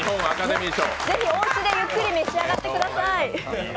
ぜひおうちでゆっくり召し上がってください。